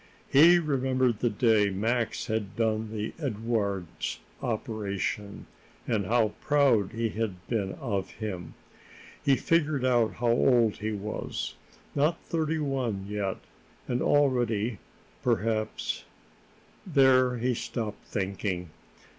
He remembered the day Max had done the Edwardes operation, and how proud he had been of him. He figured out how old he was not thirty one yet, and already, perhaps There he stopped thinking.